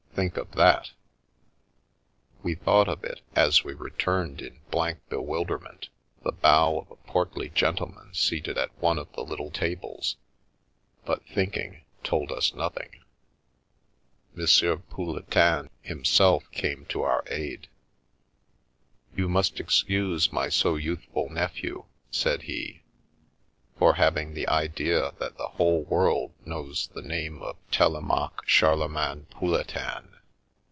Think of that !" We thought of it, as we returned, in blank bewil derment, the bow of a portly gentleman seated at one of the little tables, but thinking told us nothing. M. Pouletin himself came to our aid. " You must excuse my so youthful nephew," said he, " for having the idea that the whole world knows the name of Telemaque Charlemagne Pouletin."